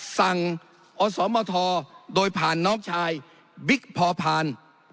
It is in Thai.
สั่งอสมทโดยผ่านน้องชายบิ๊กพอพาน